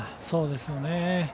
そうですよね。